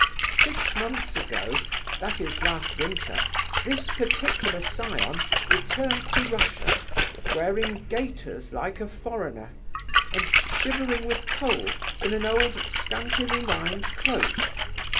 Six months ago—that is, last winter—this particular scion returned to Russia, wearing gaiters like a foreigner, and shivering with cold in an old scantily lined cloak.